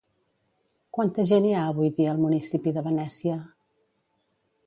Quanta gent hi ha avui dia al municipi de Venècia?